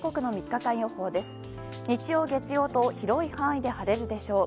日曜、月曜と広い範囲で晴れるでしょう。